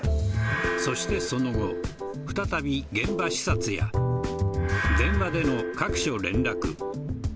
そしてその後再び現場視察や電話での各所連絡